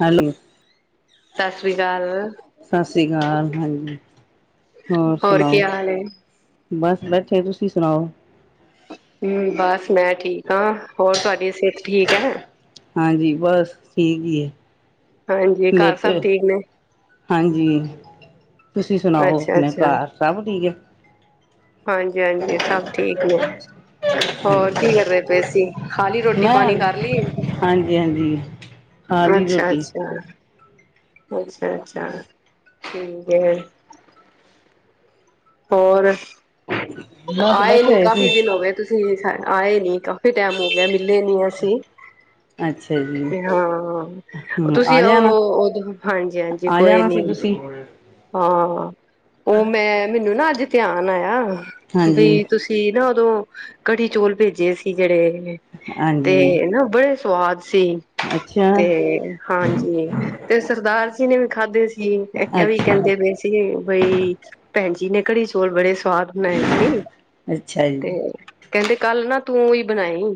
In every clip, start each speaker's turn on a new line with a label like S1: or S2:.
S1: Hello
S2: ਸਤਿ ਸ੍ਰੀ ਅਕਾਲ।
S1: ਸ਼੍ਰੀ ਕਾਲ ਹਾਂਜੀ। ਹੋਰ ਸੁਣਾਓ।
S2: ਕੀ ਹਾਲ ਏ
S1: ਬਸ ਬੈਠੇ ਤੁਸੀਂ ਸੁਣਾਓ।
S2: ਹਮ ਬਸ ਮੈਂ ਠੀਕ ਹਾਂ ਹੋਰ ਤੁਹਾਡੀ ਸਿਹਤ ਠੀਕ ਹੈ।
S1: ਹਾਂਜੀ ਬਸ ਠੀਕ ਹੀ ਹੈ।
S2: ਹਾਂਜੀ ਘਰ
S1: ਲੇਟੇ
S2: ਸਭ ਠੀਕ ਨੇ।
S1: ਹਾਂਜੀ। ਤੁਸੀਂ ਸੁਣਾਓ
S2: ਅੱਛਾ
S1: ਆਪਣੇ
S2: ਅੱਛਾ
S1: ਘਰ ਸਭ ਠੀਕ ਹੈ।
S2: ਹਾਂਜੀ-ਹਾਂਜੀ ਸਭ ਠੀਕ ਨੇ ਹੋਰ ਕੀ ਕਰਦੇ ਪਏ ਅਸੀਂ ਖਾ ਲਈ ਰੋਟੀ
S1: ਮੈਂ
S2: ਪਾਣੀ ਕਰ ਲਈ
S1: ਹਾਂਜੀ ਹਾਂਜੀ ਖਾ ਲਈ ਰੋਟੀ
S2: ਅੱਛਾ-ਅੱਛਾ। ਅੱਛਾ-ਅੱਛਾ ਠੀਕ ਹੈ। ਹੋਰ
S1: ਬਸ
S2: ਆਏ
S1: ਬੈਠੇ
S2: ਨੀ
S1: ਹੋਏ ਸੀ
S2: ਕਾਫੀ ਦਿਨ ਹੋ ਗਏ ਤੁਸੀਂ ਨੀ ਸ ਆਏ ਨੀ ਕਾਫੀ ਟਾਈਮ ਹੋ ਗਿਆ ਮਿਲੇ ਨੀ ਅਸੀ।
S1: ਅੱਛਾ ਜੀ
S2: ਹਾਂ
S1: ਹਮ ਆ
S2: ਤੁਸੀਂ
S1: ਜਾਣਾ
S2: ਉਹ ਦੋਂ ਹਾਂਜੀ-ਹਾਂਜੀ
S1: ਆ
S2: ਕੋਈ
S1: ਜਾਣਾ
S2: ਨੀ
S1: ਸੀ ਤੁਸੀਂ
S2: ਹਾਂ ਉਹ ਮੈਂ ਮੈਨੂੰ ਨਾ ਅੱਜ ਧਿਆਨ ਆਇਆ
S1: ਹਾਂਜੀ
S2: ਵੀ ਤੁਸੀਂ ਨਾ ਉਦੋਂ ਕੜੀ ਚੋਲ ਭੇਜੇ ਸੀ ਜਿਹੜੇ ਤੇ
S1: ਹਾਂਜੀ
S2: ਨਾ ਬੜੇ ਸਵਾਦ ਸੀ
S1: ਅੱਛਾ
S2: ਤੇ ਹਾਂਜੀ ਤੇ ਸਰਦਾਰ ਕਿਨੇ ਵੀ ਖਾਧੇ ਸੀ ਵੀ ਐਵੀ ਵੀ
S1: ਅੱਛਾ
S2: ਕਹਿੰਦੇ ਪਏ ਸੀਗੇ। ਬਈ ਭੈਣ ਜੀ ਨੇ ਘੜੀ ਚੋਲ ਬੜੇ ਸਵਾਦ ਬਣਾਏ ਸੀ
S1: ਅੱਛਾ
S2: ਤੇ
S1: ਜੀ
S2: ਕਹਿੰਦੇ ਕੱਲ ਨਾ ਤੂੰ ਉਹ ਈ ਬਣਾਈ।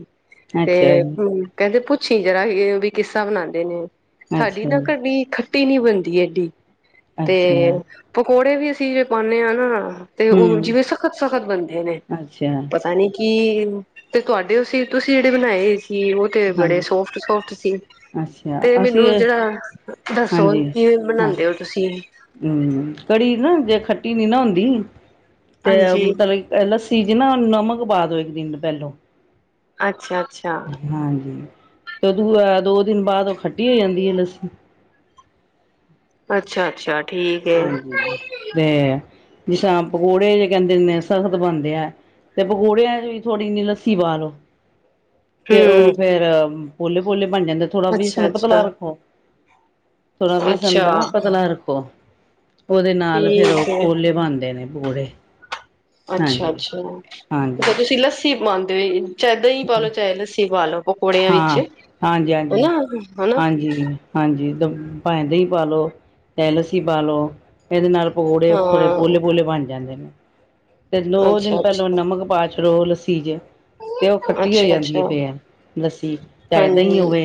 S2: ਤੇ
S1: ਅੱਛਾ ਜੀ
S2: ਹ ਕਹਿੰਦੇ ਪੁੱ ਛੀ ਜਰਾ ਵੀ ਬਈ ਕਿਸਾ ਬਣਾਉਂਦੇ ਨੇ। ਸਾਡੀ
S1: ਅੱਛਾ
S2: ਨਾ
S1: ਜੀ
S2: ਕਰਡੀ ਖ ਤੀ ਨੀ ਬਣਦੀ ਐਡੀ। ਤੇ
S1: ਅੱਛਾ
S2: ਭੁੱ ਕੋੋੜੇ ਵੀ ਅਸੀਂ ਪਾਨੇ ਆ ਨਾ ਤੇ ਉਹ
S1: ਹਮ
S2: ਜਿਵੇਂ ਸਖਤ-ਸਖਤ ਬਣਦੇ ਨੇ
S1: ਅੱਛਾ
S2: ਪਤਾ ਨੀ ਕਿ ਤੇ ਤੁਹਾਡੇ ਅਸੀਂ ਤੁਸੀਂ ਜਿਹੜੇ ਬਣਾਏ ਕਿ ਉਹ ਤੇ ਬੜੇ
S1: ਹਾਂਜੀ
S2: ਸੋਫਟ ਸੋਫਟ ਸੀ
S1: ਅੱਛਾ
S2: ਤੇ
S1: ਅਸੀਂ
S2: ਮੈਨੂੰ ਜਿਹੜਾ ਦੱਸੋ
S1: ਹਾਂਜੀ
S2: ਕੀ
S1: ਹਾਂ
S2: ਬਣਾਉਦੇ ਹੋ ਤੁਸੀਂ
S1: ਰਟੀ ਨੀ ਨਾ ਹੁੰਦੀ ਤੇ
S2: ਹਾਂਜੀ
S1: ਮਤਲਬ ਇਹਦਾ ਚੀਜ਼ ਨਾ ਨਮਕ ਪਾ ਦੋ ਇੱਕ ਦਿਨ ਪਹਿਲੋਂ
S2: ਅੱਛਾ ਅੱਛਾ
S1: ਹਾਂਜੀ ਤੇ ਉਦੋਂ ਦੋ ਦਿਨ ਬਾਅਦ ਉਹ ਖੱਟੀ ਹੋ ਜਾਂਦੀ ਹੈ ਲੱਸੀ
S2: ਅੱਛਾ ਅੱਛਾ ਠੀਕ ਹੈ
S1: ਹਾਂਜੀ ਤੇ ਜ ਪਕੌੜੇ ਕਹਿੰਦੇ ਨੇ ਸਖ਼ਤ ਬਣਦੇ ਆ ਤੇ ਪਕੌੜਿਆਂ ਚ ਵੀ ਥੋੜ੍ਹੀ ਜਿਨੀ ਲੱਸੀ ਪਾ ਲੋੋ ਤੇ
S2: ਹਮ
S1: ਉਹ ਫੇਰ ਬੋਲੇ ਬੋਲੇ ਬਣ ਜਾਂਦਾ ਥੋੜਾ
S2: ਅੱਛਾ
S1: ਵੇਸਣ ਪਤਲਾ
S2: ਅੱਛਾ
S1: ਰੱਖੋ ਥੋੜ੍ਹਾ ਵੇਸਣ
S2: ਅੱਛਾ
S1: ਹਨਾ ਪਤਲਾ ਰੱਖੋ ਉਹਦੇ ਨਾਲ ਫੇਰ ਉਹ
S2: ਠੀਕ ਹੈ
S1: ਪੋਲੇ ਬਣਦੇ ਨੇ ਬੜੇ
S2: ਅੱਛਾ ਅੱਛਾ ਤੁਸੀਂ ਲੱਸੀ ਤੇ ਚਾਹੇ ਦਹੀਂ ਪਾਲੋ ਚਾਹੇ ਲੱਸੀ ਪਾ ਲੋ ਪਕੌੜਿਆਂ ਵਿੱਚ
S1: ਹਾਂ ਹਾਂਜੀ ਹਾਂਜੀ
S2: ਹਨਾ ਹਨਾ
S1: ਹਾਂਜੀ ਹਾਂਜੀ। ਭਾਂਵੇਂ ਦਹੀ ਪਾ ਲਉ ਤੇ ਲੱਸੀ ਪਾ ਲਉ ਇਹਦੇ ਨਾਲ ਪਕੌੜੇ ਥੋੜ੍ਹੇ
S2: ਹਾਂ
S1: ਪੋਲੇ ਪੋਲੇ ਬਣ ਜਾਂਦੇ ਨੇ। ਦੋ ਦਿਨ
S2: ਅੱਛਾ
S1: ਪਹਿਲਾਂ
S2: ਅੱਛਾ
S1: ਨਮਕ ਪਾ ਛਡੋ। ਚੀਜ਼ ਹੈ। ਤੇ ਉਹ ਖੱਟੀ ਹੋ
S2: ਅੱਛਾ
S1: ਜਾਂਦੀ
S2: ਅੱਛਾ
S1: ਹੈ ਫੇਰ ਲੱਸੀ ਚਾਹੇ
S2: ਹਾਂਜੀ
S1: ਹੋਵੇ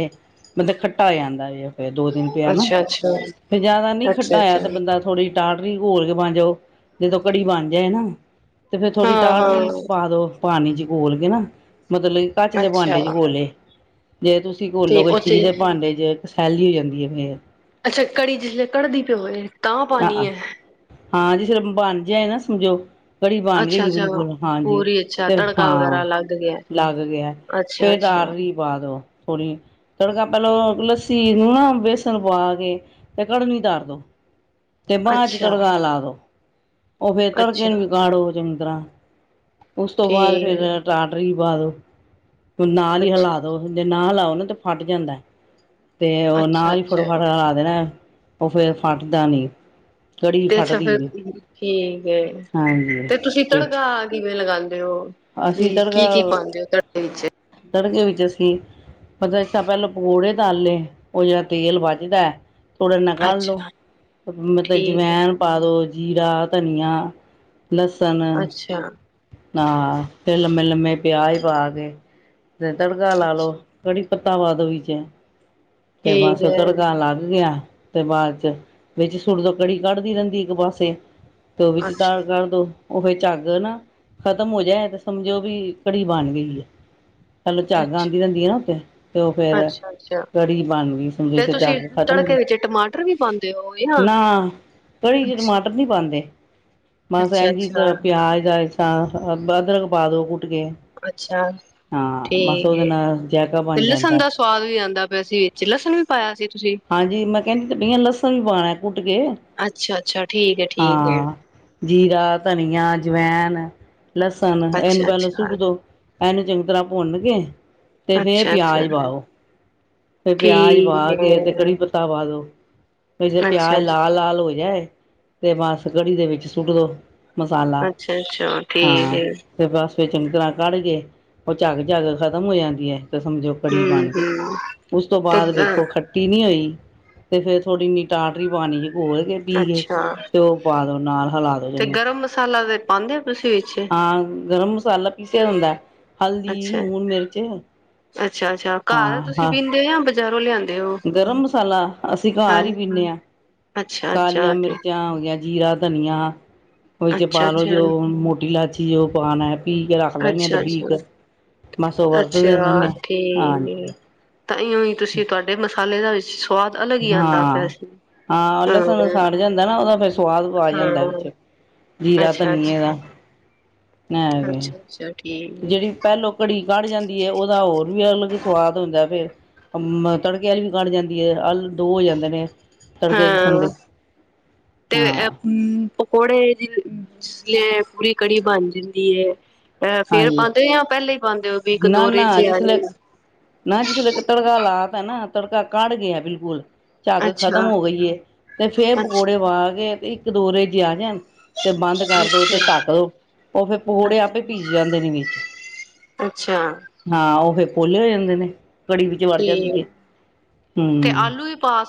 S1: ਬੰਦਾ ਖੱਟਾ ਹੋ ਜਾਂਦਾ ਹੈ। ਦੋ ਦਿਨ ਪਿਆ ਨਾ
S2: ਅੱਛਾ ਅੱਛਾ
S1: ਫੇਰ ਜਿਆਦਾ ਨਹੀਂ ਖਟਾ
S2: ਅੱਛਾ
S1: ਹੋਇਆ
S2: ਅੱਛਾ
S1: ਤੇ ਬੰਦਾ ਥੋੜੀ ਟਾਟਰੀ ਘੋਲ ਕੇ ਬਣ ਜਾ ਜਦੋਂ ਕੜ੍ਹੀ ਬਣ ਜਾਏ ਨਾ ਤੇ ਫਿਰ ਥੋੜ੍ਹੀ
S2: ਹਾਂ
S1: ਟਾਹਟਰੀ
S2: ਹਾਂ
S1: ਪਾ ਦਿਉ। ਪਾਣੀ ਚ ਘੋਲ ਕੇ ਨਾ ਮਤਲਬ ਕਿ ਕੱਚ ਦੇ
S2: ਅੱਛਾ
S1: ਭਾਂਡੇ [unintelligible] ਬੋਲੇ ਜੇ ਤੁਸੀਂ ਘੋਲੋ
S2: ਤੇ
S1: ਗੇ
S2: ਉੱਥੇ
S1: ਸਟੀਲ ਦੇ ਭਾਂਡੇ ਚ ਸੈਲੀ ਹੋ ਜਾਂਦੀ ਐ ਫੇਰ
S2: ਅੱਛਾ ਕੜੀ ਜਿਸ ਲੇ ਕੜਦੀ ਪਿਓ ਏ ਤਾਂ ਪਾਨੀ
S1: ਹਾਂ
S2: ਐ
S1: ਹਾਂ ਜੇ ਫੇਰ ਬਣ ਜਾਏ ਨਾ ਸਮਝੋ ਕੜੀ ਬਣ ਗਈ
S2: ਅੱਛਾ
S1: ਜੀ
S2: ਅੱਛਾ
S1: ਬਿਲਕੁੱਲ ਹਾਂਜੀ
S2: ਪੂਰੀ ਅੱਛਾ
S1: ਤੇ
S2: ਤੜਕਾ
S1: ਹਾਂ
S2: ਵਗੈਰਾ ਲੱਗ ਗਿਆ
S1: ਲੱਗ ਗਿਆ
S2: ਅੱਛਾ
S1: ਫੇਰ
S2: ਅੱਛਾ
S1: ਟਾਟਰੀ ਪਾ ਦੋ। ਥੋੜ੍ਹੀ ਤੜਕਾ ਪਹਿਲੌ ਲੱਸੀ ਨੂੰ ਨਾ ਬੇਸਣ ਪਾ ਕੇ ਤੇ ਕੜਮੀ ਧਰ ਦੋ। ਤੇ ਬਾਅਦ ਚ
S2: ਅੱਛਾ
S1: ਤੜਕਾ ਲਾ ਦੋ ਉਹ ਫੇਰ ਤੜਕੇ
S2: ਅੱਛਾ
S1: ਨੂੰ ਵੀ ਕਾਡੋ [unintelligible] ਤਰ੍ਹਾਂ ਉਸ ਤੋਂ ਬਾਅਦ ਫੇਰ
S2: ਠੀਕ
S1: ਟਾਟਰੀ ਪਾਦੋ ਹੁਣ ਨਾਲ ਹੀ ਹਿਲਾ
S2: ਅੱਛਾ
S1: ਦੋ ਜੇ ਨਾ ਹਿਲਾਓ ਦੁੱਧ ਫਟ ਜਾਂਦਾ। ਤੇ ਉਹ
S2: ਅੱਛਾ
S1: ਨਾਲ ਹੀ
S2: ਅੱਛਾ
S1: ਫਟੋਫਟ ਹਲਾ ਦੇਣਾ। ਉਹ ਫੇਰ ਫਟਦਾ ਨੀ। ਕੜੀ
S2: ਤੇ ਅੱਛਾ
S1: ਫਟਦੀ
S2: ਫੇਰ
S1: ਨੀ
S2: ਠੀਕ ਐ, ਤੇ ਤੁਸੀਂ ਤੜਕਾ ਕਿਵੇਂ ਲਗਾਉਂਦੇ ਓ
S1: ਅਸੀਂ
S2: ਵੀ
S1: ਤੜਕਾ
S2: ਕੀ-ਕੀ ਪਾਉਂਦੇ ਓ ਤੜਕੇ ਵਿੱਚ?
S1: ਜਸ [unintelligible] ਮਤਲਬ ਇਸਾ ਪਹਿਲਾਂ ਪਕੌੜੇ ਤਲ ਲਏ ਉਹ ਜਿਹੜਾ ਤੇਲ ਵੱਚਦਾ ਥੋੜੇ ਨਿਕਾਲ ਲੋ,
S2: ਅੱਛਾ
S1: ਮਤਲਬ
S2: ਠੀਕ ਹੈ
S1: ਜਵੈਨ ਪਾ ਦੋ ਜੀਰਾ, ਧਨੀਆ ਲਸਨ,
S2: ਅੱਛਾ
S1: ਹਾਂ ਫਿਰ ਲੰਮੇ ਲੰਮੇ ਪਿਆਜ ਪਾ ਕੇ ਤੇ ਤੜਕਾ ਲਾ
S2: ਠੀਕ
S1: ਲੋ ਕੜੀ ਪੱਤਾ ਪਾ ਦੋ ਵਿਚ, ਤੇ ਬਸ
S2: ਹੈ
S1: ਤੜਕਾ ਲੱਗ ਗਿਆ। ਤੇ ਬਾਅਦ ਚ ਵਿੱਚ ਸੁੱਟ ਦੀ ਕੜੀ ਕੜਦੀ ਰਹਿੰਦੀ ਇੱਕ ਪਾਸੇ, ਤੇ ਉਹ ਵਿਚ
S2: ਅੱਛਾ
S1: ਤਾਲ ਕਰਦੋ, ਓ ਫੇਰ ਝੱਗ ਨਾ ਖਤਮ ਹੋ ਜਾਏ ਤੇ ਸਮਝੋ ਵੀ ਘੜੀ ਬਣ ਗਈ ਐ। ਚਲੋ ਝੱਗ
S2: ਅੱਛਾ
S1: ਆਉਂਦੀ ਰਹਿੰਦੀ ਆ ਨਾ ਉੱਥੇ ਤੇ ਉਹ ਫੇਰ
S2: ਅੱਛਾ ਅੱਛਾ
S1: ਕੜੀ ਬਣ ਗਈ
S2: ਤੇ
S1: ਸਮਝੋ ਚਾ
S2: ਤੁਸੀਂ
S1: ਕੇ ਖਤਮ
S2: ਤੜਕੇ
S1: ਹੋ,
S2: ਵਿੱਚ ਟਮਾਟਰ ਵੀ ਪਾਉਂਦੇ ਹੋ ਜਾਂ
S1: ਨਾ ਕੜੀ ਚ
S2: ਅੱਛਾ
S1: ਟਮਾਟਰ ਨੀ ਪਾਉਂਦੇ। ਮ
S2: ਅੱਛਾ
S1: ਸਹਿਗੀ
S2: ਅੱਛਾ
S1: ਤਰ ਪਿਆਜ ਹੈ। ਹ ਅਦਰਕ ਪਾਦੋ ਕੁ
S2: ਅੱਛਾ
S1: ਬਸ
S2: ਠੀਕ
S1: ਉਹਦੇ
S2: ਹੈ,
S1: ਨਾਲ ਜਾਇਕਾ
S2: ਤੇ
S1: ਬਣ
S2: ਲਸਣ
S1: ਜਾਂਦਾ
S2: ਦਾ ਸਵਾਦ ਵੀ ਆਉਂਦਾ ਪਿਆ ਸੀ। ਲਸਣ ਵੀ ਪਾਇਆ ਸੀ ਤੁਸੀਂ
S1: ਹਾਂਜੀ ਮੈਂ ਕਹਿੰਦੀ ਤੇ ਪਈਆਂ ਲਸਣ ਵੀ ਪਾਉਣਾ ਕੁੱਟ ਕੇ
S2: ਅੱਛਾ ਅੱਛਾ ਠੀਕ ਹੈ ਠੀਕ ਹੈ
S1: ਹਾਂ ਜੀਰਾ ਧਨੀਆ ਜਵੈਨ ਹੈਨ ਲਸਣ ਇਹਨੂੰ
S2: ਅੱਛਾ
S1: ਪਹਿਲ
S2: ਅੱਛਾ
S1: ਸੁੱਟ ਦੋ, ਇਹਨੂੰ ਚੰਗੀ ਤਰ੍ਹਾਂ ਭੁੰਨ ਕੇ, ਤੇ ਫੇਰ
S2: ਅੱਛਾ ਅੱਛਾ
S1: ਪਿਆਜ ਪਾਓ। ਫਿਰ ਪਿਆਜ
S2: ਠੀਕ
S1: ਪਾ ਕੇ ਤੇ
S2: ਹੈ
S1: ਕੜੀ ਪੱਤਾ ਪਾ ਦੋ। ਇਸੇ
S2: ਅੱਛਾ
S1: ਪਿਆਜ਼
S2: ਅੱਛਾ
S1: ਲਾਲ ਲਾਲ ਹੋ ਜਾਏ। ਤੇ ਬੱਸ ਕੜੀ ਦੇ ਵਿੱਚ ਸੁੱਟ ਦੋ। ਮਸਾਲਾ
S2: ਅੱਛਾ, ਅੱਛਾ ਠੀਕ
S1: ਹਾਂ
S2: ਹੈ।
S1: ਤੇ ਬਸ ਫਿਰ ਚੰਗੀ ਤਰ੍ਹਾਂ ਕੜ ਕੇ, ਉਹ ਝੱਗ -ਝੱਗ ਖ਼ਤਮ ਹੋ ਜਾਂਦੀ ਏ।
S2: ਹਮ, ਹਮ
S1: ਉਸ ਤੋਂ ਬਾਅਦ
S2: ਤੇ
S1: ਵੇਖੋ, ਖੱਟੀ ਨਹੀਂ ਹੋਈ। ਤੇ ਫੇਰ ਥੋੜ੍ਹੀ ਇੰਨੀ ਟਾਟਰੀ ਪਾਉਣੀ ਏ। ਘੋਲ ਕੇ, ਪੀ ਕੇ,
S2: ਅੱਛਾ
S1: ਤੇ ਉਹ ਪਾ ਦੋ ਨਾਲ, ਹਿਲਾ ਦੋ ਜਨੂੰ।
S2: ਪਾੰਦੇ
S1: ਹਾਂ, ਗਰਮ ਮਸਾਲਾ ਪੀਸਿਆ ਹੁੰਦੈ। ਹਲਦੀ,
S2: ਅੱਛਾ
S1: ਲੂਣ, ਮਿਰਚ।
S2: ਅੱਛਾ, ਅੱਛਾ ਘਾਰ
S1: ਹਾਂ
S2: ਤੁਸੀਂ
S1: ਹਾਂ
S2: ਪੀਂਦੇ ਆ, ਬਜ਼ਾਰ ਰੋਲਿਆ
S1: ਗਰਮ ਮਸਾਲਾ, ਅਸੀਂ ਘਾਰ ਹੀ ਪਿੱਨੇ ਆਂ।
S2: ਅੱਛਾ ਅੱਛਾ
S1: ਕਾਲੀਆਂ
S2: ਤੇ
S1: ਮਿਰਚਾਂ ਹੋਗੀਆਂ, ਜੀਰਾ ਧਨੀਆ। ਉਹ ਚ
S2: ਅੱਛਾ
S1: ਪਾ ਲੋ
S2: ਅੱਛਾ
S1: ਜੋ, ਮੋਟੀ ਲਾਚ ਜੀਓ ਪਾਨ ਐ ਪੀ ਕੇ ਰੱਖ ਲੈਨੇ ਆ,
S2: ਅੱਛਾ
S1: ਡਬੀ
S2: ਅੱਛਾ
S1: ਇਕ, ਬਸ ਉਹ ਵਰਤ ਦੇ ਰਿਹਨੇ ਆ, ਹਾਂਜੀ।
S2: ਤਾਂ ਇਉਂ ਹੀ ਤੁਸੀਂ, ਤੁਹਾਡੇ ਮ ਖਾਣੇ ਦਾ ਵਿੱਚ [inaudible] ਹੀ ਆਉਂਦਾ ਪਿਆ
S1: ਹਾਂ,
S2: ਸੀ
S1: ਹਾਂ ਉਹ ਲਸਨ ਸੜ ਜਾਂਦੈ ਨਾ, ਉਹਦਾ ਫਿਰ ਸਵਾਦ ਆ ਜਾਂਦਾ
S2: ਹਾਂ
S1: ਵਿੱਚ, ਜੀਰਾ
S2: ਅੱਛਾ
S1: ਧਨੀਏ
S2: ਅੱਛਾ
S1: ਦਾ। ਐ
S2: ਅੱਛਾ ਅੱਛਾ ਠੀਕ
S1: ਜਿਹੜੀ ਪਹਿਲੋਂ ਕੜੀ ਕੜ ਜਾਂਦੀ ਐ, ਉਹਦਾ ਹੋਰ ਵੀ ਅਲੱਗ ਸਵਾਦ ਹੁੰਦੈ ਫੇਰ। ਤੜਕੇ ਵਾਲੀ ਵੀ ਕੜ ਜਾਂਦੀ ਐ, ਅਲ ਦੋ ਹੋ ਜਾਂਦੇ ਨੇ। ਤੜਕੇ ਕਿਸਮ
S2: ਹਾਂ,
S1: ਦੇ
S2: ਤੇ
S1: ਹਾਂ
S2: ਐ ਪਕੌੜੇ ਜ ਪੂਰੀ ਕੜੀ ਬਣ ਜਾਂਦੀ ਹੈ। ਫੇਰ
S1: ਹਾਂਜੀ
S2: ਪਾਉਂਦੇ ਓ, ਜਾਂ ਪਹਿਲੇ ਈ ਪਾਉਂਦੇ ਓ, ਵੀ ਇੱਕ
S1: ਨਾ
S2: ਦੋ
S1: ਨਾ
S2: ਰੇਜੇ ਆ
S1: ਜਿਸਲੇ
S2: ਜਾਣ।
S1: ਨਾ ਜਿਸਲੇ ਤੜਕਾ ਲਾ ਤਾ ਨਾ ਤੜਕਾ ਕਾੜ ਗਿਆ, ਬਿਲਕੁਲ। ਝੱਗ
S2: ਅੱਛਾ
S1: ਖ਼ਤਮ ਹੋ ਗਈ ਏ, ਤੇ ਫੇਰ
S2: ਅੱਛਾ
S1: ਪਕੌੜੇ ਵ ਕੇ ਤੇ ਇੱਕ ਦੋਰੇ ਜੇ, ਆ ਜਾਣ। ਤੇ ਬੰਦ ਕਰ ਦੋ, ਤੇ
S2: ਅੱਛਾ
S1: ਢੱਕ ਦੋ, ਉਹ ਫੇਰ ਪਕੋੜੇ ਆਪੇ
S2: ਅੱਛਾ
S1: ਭੀਜ ਜਾਂਦੇ ਨੇ ਵਿੱਚ
S2: ਅੱਛਾ
S1: ਹਾਂ ਉਹਹੀ ਪੋਲੇ ਹੋ ਜਾਂਦੇ ਨੇ ਘੜੀ ਵਿੱਚ ਵੜ ਜਾਂਗੀ ਹੈ
S2: ਠੀਕ
S1: ਹਮ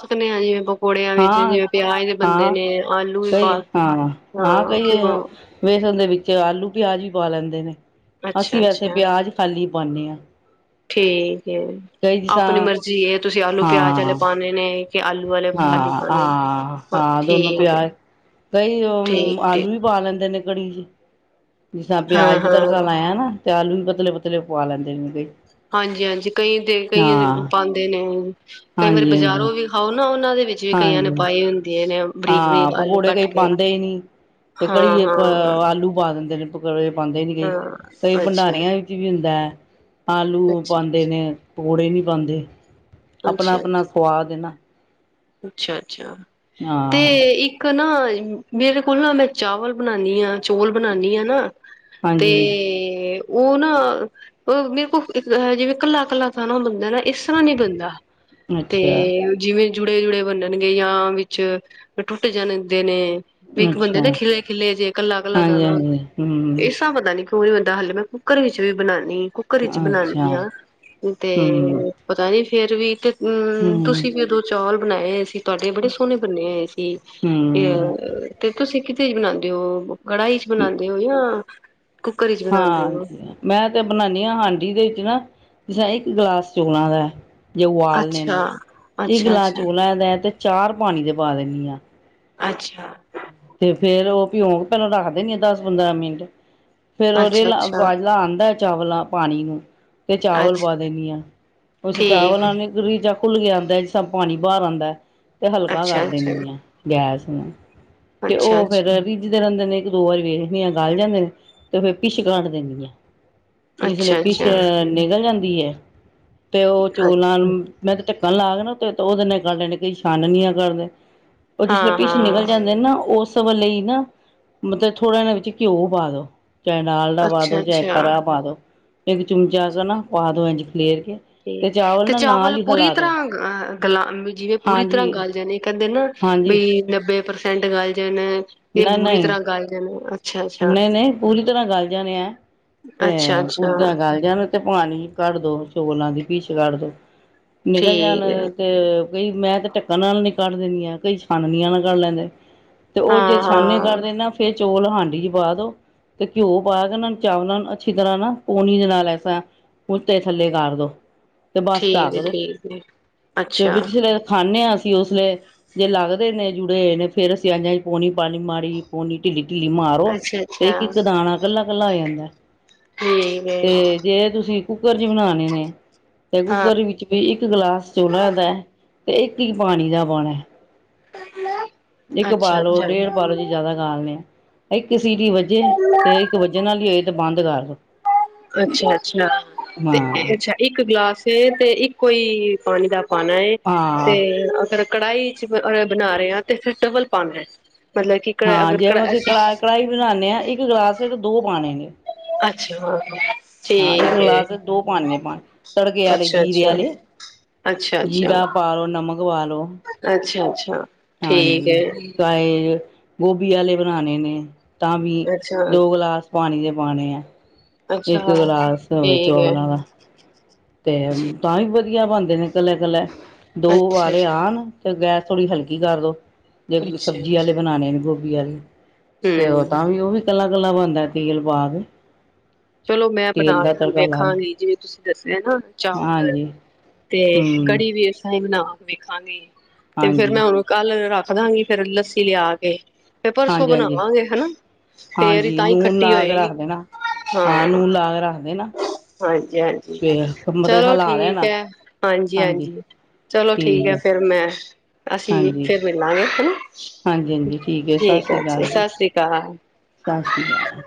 S2: ਆ ਜਿਂ ਬ ਪਕੌੜਿਆਂ ਵਿੱਚ ਜਿਵੇਂ ਪਿਆਜ ਦੇ ਬੰਦੇ
S1: ਹਾਂ
S2: ਨੇ ਆਲੂ ਵੀ ਪਾ
S1: ਕਈ ਹਾਂ
S2: ਹਾਂ
S1: ਕਈ
S2: ਘਓ
S1: ਦੇ ਵਿੱਚ ਆਲੂ ਪਿਆਜ ਵੀ ਪਾ ਲੈਂਦੇ ਨੇ ਅਸੀਂ
S2: ਅੱਛਾ
S1: ਵੈਸੇ
S2: ਅੱਛਾ
S1: ਪਿਆਜ ਖਾਲੀ ਪਾਉਂਦੇ ਹਾਂ
S2: ਠੀਕ
S1: ਕਈ ਜਿਸ
S2: ਆਪਣੀ
S1: ਤਰ੍ਹਾਂ
S2: ਮਰਜ਼ੀ ਤੁਸੀਂ ਆਲੂ ਪਿਆਜ ਵਾਲੇ
S1: ਹਾਂ
S2: ਪਾਣੇ ਨੇ ਕਿ ਆਲੂ ਵਾਲੇ ਖਾਲੀ
S1: ਹਾਂ
S2: ਪਾਉਣੇ ਨੇ
S1: ਹਾਂ ਹਾਂ ਦੋਨੋ ਪਿਆ
S2: ਠੀਕ
S1: ਕਈ
S2: ਠੀਕ ਠੀਕ
S1: ਆਲੂ ਵੀ ਪਾ ਲੈਂਦੇ ਨੇ ਗੜੀ ਜ ਜਿਸਿਸਾਂ ਪਿਆਜ ਦਾ ਤੜਕਾ
S2: ਹਾਂ-ਹਾਂ,
S1: ਲਾਇਆ ਨਾ ਤੇ ਆਲੂ ਵੀ ਪਤਲੇ ਪਤਲੇ ਪਾ ਲੈਂਦੇ ਨੇ ਕਈ
S2: ਹਾਂਜੀ ਹਾਂਜੀ ਕਈ ਦੇ ਕਈ
S1: ਹਾਂ
S2: ਪਾਉਂਦੇ ਨੇ ਕਈ ਵਾਰੀ
S1: ਹਾਂਜੀ ਹਾਂਜੀ
S2: ਬਜ਼ਾਰੋਂ ਵੀ ਖਾਓ ਨਾ ਉਹਨ ਉਹਨਾਂ ਦੇ ਵਿੱਚ ਵੀ ਕਈਆਂ ਨੇ
S1: ਹਾਂਜੀ
S2: ਪਏ ਹੁੰਦੇਆਂ ਨੇ
S1: ਹਾਂ
S2: ਬਰੀਕ-ਬਰੀਕ ਆਲੂ
S1: ਪਕੌੜੇ
S2: ਕੱਟ
S1: ਕਈ
S2: ਕੇ।
S1: ਪਾਉਦੇ ਹੀ ਨਹੀਂੀ ਤੇ ਘੜੀ ਅ
S2: ਹਾਂ-ਹਾਂ,
S1: ਆਲੂ ਪਾ ਦਿੰਦੇ ਤਪ ਕ ਪਾਉਂਦੇ ਨੀ ਕਈ
S2: ਹਾਂ
S1: ਕਈ
S2: ਹਾਂ ਅੱਛਾ,
S1: ਭੰਡਾਰੀਆਂ ਵਿੱਚ ਵੀ ਹੁੰਦਾ ਹੈ ਆਲੂ ਪਾਂਦੇ
S2: ਅੱਛਾ-ਅੱਛਾ,
S1: ਨੇ, ਪਕੌੜੇ ਨਹੀਂ ਪਾਂਦੇ। ਆਪਣਾ, ਆਪਣਾ ਸੁਵਾਦ ਹੈ ਨਾ,
S2: ਅੱਛਾ! ਅੱਛਾ! ਤੇ,
S1: ਹਾਂ
S2: ਇੱਕ ਨਾ ਮੇਰੇ ਕੋਲ ਨਾ ਮੈਂ ਚਾਵਲ ਬਣਾਉਦੀ ਹਾਂ, ਚੌਲ ਬਣਾਣੀ ਆ ਹ ਨਾ
S1: ਹਾਂਜੀ
S2: ਤੇ, ਉਹ ਨਾ, ਉਹ ਮੇਰੇ ਕੋਲ ਇੱਕ ਜਿਵੇਂ ਕੱਲਾ ਕੱਲਾ ਖਾਣਾ ਬਣਦਾ ਨਾ ਇਸ ਤਰ੍ਹਾਂ ਨੀ ਬਣਦਾ ਤੇ,
S1: ਅੱਛਾ
S2: ਜਿਵੇਂ ਜੁੜੇ ਜੁੜੇ ਬਣਨਗੇ ਜਾਂ ਵਿੱਚ ਟੁੱਟ ਜਾਂਣਦੇ ਨੇ ਵੀ ਇੱਕ ਬੰਦੇ
S1: ਅੱਛਾ
S2: ਨਾ ਖਿਲੇ-ਖਿਲੇ ਜੇ ਕੱਲਾ-ਕੱਲਾ
S1: ਹਾਂਜੀ
S2: ਦਾਣਾ,
S1: ਹਾਂਜੀ ਹਮ
S2: ਇਸ ਤਰ੍ਹਾਂ ਪਤਾ ਨੀ ਓਹ ਨੀ ਹੁੰਦਾ ਹੱਲ, ਮੈਂ ਕੁੱਕਰ ਵਿੱਚ ਵੀ ਬਣਾਉਦੀ ਕੁੱਕਰ ਵਿੱਚ
S1: ਅੱਛਾ
S2: ਬਣਾਉਦੀ ਹਾਂ, ਤੇ
S1: ਹਮ
S2: ਪਤਾ ਨੀ ਫੇਰ ਵੀਹ ਤੇ ਹੂੰ,
S1: ਹਮ
S2: ਤੁਸੀਂ ਕਿਦੋ ਚੋਲ ਬਨਾਏ। ਤੁਹਾਡੇ ਬੜੇ ਸੋਹਨੇ ਬਣੇ ਹੋਏ ਸੀ
S1: ਹਮ
S2: ਅ, ਤੇ ਤੁਸੀਂ ਕਿਤੇ ਈ ਬਣਾਉਂਦੇ ਓ। ਕੜਾਈ ਚ ਬਣਾਦੇ ਹੋ ਜਾਂ ਕੁੱਕਰ ਵਿੱਚ ਬਣਾਉਂਦੇ
S1: ਹਾਂ
S2: ਹੋ
S1: ਜੀ, ਮੈਂ ਤੇ ਬਣਾਨੀ ਹਾਂ ਹਾਂਡੀ ਵਿੱਚ ਨਾ ਜਾਂ ਇੱਕ ਗਲਾਸ ਚੌਲਾ ਦਾ- ਜੇ ਉਬਾਲਨੇ
S2: ਅੱਛਾ,
S1: ਨੇ, ਇਕ
S2: ਅੱਛਾ,
S1: ਗਲਾਸ
S2: ਅੱਛਾ,
S1: ਚੋਲਾ ਦਾ ਤੇ ਚਾਰ ਪਾਨੀ ਦੇ ਪਾ ਦੇਣੀ ਆਂ
S2: ਅਛਾ!
S1: ਤੇ, ਫੇਰ ਉਹ ਭਿਉਂ ਕੇ ਪਹਿਲਾਂ ਰੱਖ ਦਿਨੀਂ ਆ ਦਸ ਪੰਦਰਾਂ ਮਿੰਟ। ਫੇਰ ਉਹ
S2: ਅੱਛਾ,
S1: ਰੀਲਾ
S2: ਅੱਛਾ,
S1: ਬਾਲਾ ਆਦਾਂ ਏ ਚਾਵਲਾ ਪਾਨੀ ਨੂੰ- ਤੇ ਚਾਵਲ ਪਾ
S2: ਅੱਛਾ।
S1: ਦੇਨੀ ਆ। ਉਸ
S2: ਠੀਕ
S1: ਚਾਵਲਾ ਗਰੀ ਚ ਖੁੱਲ ਕੇ ਆਦਾਂ ਜਿਸਾ ਪਾਣੀ ਬਾਹਰ ਆਦਾਂ ਹੈ। ਤੇ ਹਲਕਾ
S2: ਅੱਛਾ
S1: ਕਰ
S2: ਅੱਛਾ
S1: ਦਿੰਨੀ ਆ ਗੈਸ। [inaudible] ਤੇ,
S2: ਅੱਛਾ ਅੱਛਾ
S1: ਉਹ ਫਿਰ ਰਿੱਝਦੇ ਰਹਿੰਦੇ ਨੇ। ਇੱਕ ਦੋ ਵਾਰੀ ਵੇਖਦੀ ਆ ਗਲ ਜਾਂਦੇ ਨੇ, ਤੇ ਫਿਰ ਪਿੱਛੇ ਕਾਢ ਦਿੰਨੀ ਆ। ਜਿਸ ਲੇ
S2: ਅੱਛਾ ਅੱਛਾ
S1: ਪਿੱਛੇ ਨਿਕਲ ਜਾਂਦੀ। ਕੀ ਐ? ਤੇ ਉਹ
S2: ਅੱਛ
S1: ਚੌਲਾ ਨੂੰ ਮੈਂ ਤੇ ਢੱਕਣ ਲਾ ਦੇਣਾ ਉੱਤੇ। ਉਹਦੇ ਨਾਲ ਈ ਕੱਢ ਲੈਂਨੀ ਆ, ਕਈ ਛਾਨਣੀ ਨਾਲ ਕੱਢਦੇ। ਉਹ ਜਿਸ ਦੇ
S2: ਹਾਂ
S1: ਪੀਸ ਨਿਕਲ
S2: ਹਾਂ
S1: ਜਾਂਦੇ। ਉਸ ਵੇਲੇ ਈ ਨਾ ਮਤਲਬ ਥੋੜਾ, ਜਿਆ ਵਿੱਚ ਘਿਓ ਪਾ ਦਿਉ। ਚਾਏ ਡਾਲਡਾ ਪਾ ਦੋ,
S2: ਅੱਛਾ ਅੱਛਾ
S1: ਚਾਏ
S2: ਅੱਛਾ
S1: ਖਰਾ ਪਾ ਦੋ। ਇੱਕ ਚਮੁਚਾ ਕੁ ਨਾ ਪਾ ਦੋ ਇੰਝ ਖਲੇਰ ਕੇ।
S2: ਤੇ ਤੇ
S1: ਨਾ ਨਾਲ
S2: ਚਾਵਲ
S1: ਹੀ
S2: ਪੂਰੀ
S1: ਹਿਲਾ ਦੋ
S2: ਤਰ੍ਹਾਂ ਅ ਗਲਾ ਜਿਵੇਂ, ਪੂਰੀ ਤਰ੍ਹਾਂ
S1: ਹਾਂਜੀ
S2: ਗਲ ਜਾਂਦੇ ਕਹਿੰਦੇ ਨਾ
S1: ਹਾਂਜੀ
S2: ਬਈ ਨੱਬੇ ਪਰਸੈਂਟ ਗਲ ਜਨ।
S1: ਨਾ ਨਹੀਂ,
S2: ਅੱਛਾ
S1: ਨਹੀਂ ਨਹੀਂ, ਪੂਰੀ ਤਰ੍ਹਾਂ ਗਲ ਜਾਣੇ ਐ, ਤੇ
S2: ਅੱਛਾ
S1: ਪੂਰੀ
S2: ਅੱਛਾ
S1: ਤਰ੍ਹਾਂ ਗਲ ਜਾਣੇ ਤੇ ਪਾਣੀ ਕੱਢ ਦੋ। ਚੋਲਾਂ ਦੀ ਪਿੱਛ ਕੱਢ ਦੋ। ਨਿਕਲ ਜਾਣ
S2: ਠੀਕ ਹੈ
S1: ਤੇ ਕਈ ਮੈਂ ਤੇ ਢੱਕਣ ਨਾਲ ਨੀ ਕੱਢ ਦਿੰਦੀ ਆ, ਕਈ ਛਾਨਨੀਆਂ ਨਾਲ ਕੱਢ ਲੈਂਦੇ। ਤੇ ਉਹ ਜੇ
S2: ਹਾਂ
S1: ਛਾਨਣੀ
S2: ਹਾਂ
S1: ਕਢਦੇ ਨਾ ਫੇਰ ਚੋਲ ਹਾਂਡੀ ਚ ਪਾ ਦੋ, ਤੇ ਘਿਓ ਪਾ ਕੇ ਉਹਨਾਂ ਨੂੰ ਚਾਵਲਾਂ ਨੂੰ ਅੱਛੀ ਤਰ੍ਹਾਂ ਨਾ ਪੋਣੀ ਦੇ ਨਾਲ ਐਸ ਤਰ੍ਹਾਂ ਉਤੇ ਥੱਲੇ ਕਰ ਦੋ। ਤੇ ਬਸ
S2: ਠੀਕ
S1: ਢੱਕ
S2: ਹੈ
S1: ਦੋ
S2: ਠੀਕ ਹੈ
S1: ਤੇ
S2: ਅੱਛਾ
S1: ਵਿੱਚ ਖਾਂਦੇ ਹਾਂ ਅਸੀਂ ਉਸ ਵੇਲੇ ਜੇ ਲੱਗਦੇ ਨੇ ਜੁੜੇ ਹੋਏ ਨੇ, ਫੇਰ ਅਸੀਂ ਐਂਜ ਇੰਜ ਪੌਣੀ ਮਾੜੀ ਪੋਣੀ ਢਿੱਲੀ ਢਿੱਲੀ ਮਾਰੋ,
S2: ਅੱਛਾ
S1: ਤੇ ਇੱਕ
S2: ਅੱਛਾ
S1: ਇੱਕ ਦਾਣਾ ਕੱਲਾ ਕੱਲਾ ਹੋ ਜਾਂਦਾ।
S2: ਠੀਕ ਹੈ
S1: ਤੇ ਜੇ ਤੁਸੀਂ ਕੁੱਕਰ ਚ ਬਣਾਣੇ ਨੇ। ਤੇ
S2: ਹਾਂ
S1: ਕੁੱਕਰ ਵਿੱਚ ਵੀ ਇੱਕ ਗਲਾਸ ਚੋਲਾ ਦਾ ਤੇ ਇੱਕ ਹੀ ਪਾਣੀ ਦਾ ਪਾਉਣਾ। ਇੱਕ
S2: ਅੱਛਾ
S1: ਪਾਲੋ,
S2: ਅੱਛਾ
S1: ਡੇਢ ਪਾਲੋ ਜੇ ਜ਼ਿਆਦਾ ਗਾਲਣੇ ਆ। [unintelligible] ਸੀਟੀ ਵੱਜੇ ਤੇ ਇੱਕ ਵੱਜਣ ਨਾਲ ਹੀ ਬੰਦ ਕਰ ਦਿਉ।
S2: ਅੱਛਾ, ਅੱਛਾ ਤੇ
S1: ਹਾਂ
S2: ਅੱਛਾ ਇੱਕ ਗਲਾਸ ਤੇ ਇੱਕੋ ਹੀ ਪਾਣੀ ਦਾ ਪਾਣਾ ਏ ਤੇ
S1: ਹਾਂ।
S2: ਅਗਰ ਕੜਾਹੀ ਚ ਬਣਾ ਰਹੇ ਹਾਂ ਤੇ ਫਿਰ ਟਬਲ ਪਾ ਰਹੇ
S1: ਹਾਂ ਜੇ ਅਸੀਂ ਕ ਕੜਾਹੀ ਬਣਾਉਦੇ ਹਾਂ ਇੱਕ ਗਲਾਸ ਤੇ ਦੋ ਪਾਣੇ ਨੇ
S2: ਅੱਛਾ ਹਾਂ ਹਾਂ
S1: ਹਾਂ ਇੱਕ ਗਲਾਸ ਦੋ ਪਾਣੀ ਹੈ ਪਾਣੀ ਤੜਕੇ ਵਾਲੇ ਜੀਰੇ
S2: ਅੱਛਾ-ਅੱਛਾ,
S1: ਵਾਲੇ
S2: ਅੱਛਾ-ਅੱਛਾ,
S1: ਜੀਰਾ ਪਾੋ ਨਮਕ ਅਗਵਾ ਲੋ
S2: ਅੱਛਾ-ਅੱਛਾ ਠੀਕ ਏ।
S1: ਹਾਂਜੀ ਤਾਂ ਇਹ ਗੋਭੀ ਵਾਲੇ ਬਣਾਉਣੇ ਨੇ ਤਾਂ ਵੀ ਦੋ
S2: ਅੱਛਾ-ਅੱਛਾ
S1: ਗਲਾਸ ਪਾਣੀ ਦੇ ਵਣੇ ਆ ਇੱਕ ਗਲਾਸ ਹੋਵੇ
S2: ਠੀਕ ਐ
S1: ਚੋਵਲਾਂ ਦਾ ਤੇ ਤਾਂ ਹੀ ਵਧੀਆ ਬਣਦੇ ਨੇ ਇਕੱਲਾ ਇਕੱਲਾ। ਦੋ ਵਾਲੇ
S2: ਅੱਛਾ-ਅੱਛਾ।
S1: ਆਉਣ ਤੇ ਗੈਸ ਥੋੜ੍ਹੀ ਹਲਕੀ ਕਰ ਦੋ। ਜੇ
S2: ਅੱਛਾ
S1: ਸਬਜ਼ੀ ਵਾਲੇ ਬਣਾਉਣੇ ਨੇ ਵੀ ਆਲੇ ਤੇ ਉਹ
S2: ਹੂੰ
S1: ਤਾਂ ਵੀ ਉਹ ਵੀ ਕੱਲਾ ਗਲਾ ਬਣਦਾ ਤੇਲ ਪਾ ਕੇ
S2: ਚਲੋ ਮੈਂ ਬਣਾ
S1: ਤੇਲ ਦਾ
S2: ਲ
S1: ਤੜਕਾ ਲਾਣਾ
S2: ਵੇਖਾਂਗੀ ਜਿਵੇਂ ਤੁਸੀਂ ਦੱਸਿਆ ਹੈ ਨਾ ਚਾਵਲ
S1: ਹਾਂਜੀ
S2: ਤੇ
S1: ਹੂੰ
S2: ਕੜੀ ਵੀ ਏਸ ਤਰ੍ਹਾਂ ਹੀ ਬਣਾਵਾਗੀ। ਵੇਖਾਂਗੇ ਤੇ ਫੇਰ ਮੈਂ
S1: ਹਾਂਜੀ
S2: ਉਹਨੂੰ ਕੱਲ ਰਾਤੀ ਕਰਾਗੀ ਫੇਰ ਲੱਸੀ ਲਿਆ ਕੇ ਫਿਰ ਪਰਸੋਂ
S1: ਹਾਂਜੀ ਹਾਂਜੀ
S2: ਬਣਾਵਾਂਗੇ ਹਨਾ। ਫੇਰ ਹੀ
S1: ਹਾਂਜੀ
S2: ਤਾਂ ਹੀ
S1: ਨੂਨ
S2: ਖੱਟੀ
S1: ਲਾ ਕੇ ਰੱਖ
S2: ਹੋਏਗੀ।
S1: ਦੇਣਾ ਹਾਂ ਨੂੰਹ ਲਾ ਕੇ ਰੱਖਦੇ ਨਾ
S2: ਹਾਂਜੀ। ਹਾਂਜੀ ਹਾਂਜੀ ਚਲੋ ਠੀਕ
S1: ਲੈਣਾ
S2: ਹੈ ਹਾਂਜੀ ਹਾਂਜੀ ਚਲੋ ਠੀਕ ਹੈ ਫਿਰ ਮੈਂ ਅਸੀਂ
S1: ਹਾਂਜੀ
S2: ਫਿਰ ਮਿਲਾਂਗੇ ਹੈ ਨਾ
S1: ਹਾਂਜੀ ਹਾਂਜੀ ਠੀਕ ਹੈ ਸਤਿ ਸ਼੍ਰੀ ਅਕਾਲ ਜੀ
S2: ਸਤਿ ਸ੍ਰੀ ਅਕਾਲ।
S1: ਸਤਿ ਸ਼੍ਰੀ ਅਕਾਲ।